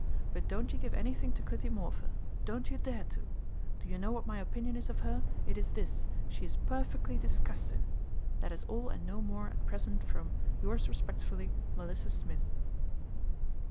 But don't you give anything to Clytie Morpher. Don't you dare to. Do you know what my opinion is of her, it is this, she is perfekly disgustin. That is all and no more at present from Yours respectfully, MELISSA SMITH.